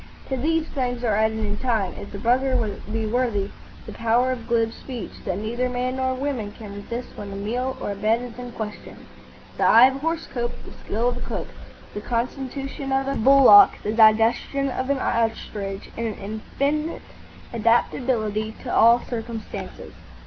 To these things are added in time, if the brother be worthy, the power of glib speech that neither man nor woman can resist when a meal or a bed is in question, the eye of a horse cope, the skill of a cook, the constitution of a bullock, the digestion of an ostrich, and an infinite adaptability to all circumstances.